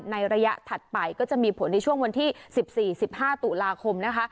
ในระยะถัดไปก็จะมีผลในช่วงวันที่สิบสี่สิบห้าตุลาคมนะคะ